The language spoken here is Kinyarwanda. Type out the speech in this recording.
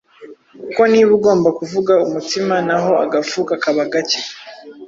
kuko niba ugomba kuvuga umutsima, naho agafu kaba gake,